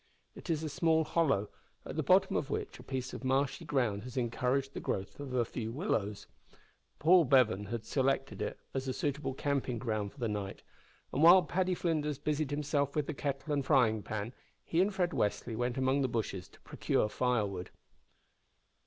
It is a small hollow, at the bottom of which a piece of marshy ground has encouraged the growth of a few willows. Paul Bevan had selected it as a suitable camping ground for the night, and while Paddy Flinders busied himself with the kettle and frying pan, he and Fred Westly went among the bushes to procure firewood.